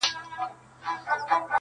ويل موري ستا تر ژبي دي قربان سم٫